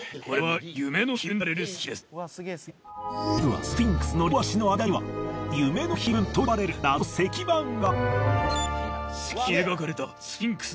実はスフィンクスの両足の間には夢の碑文と呼ばれる謎の石版が。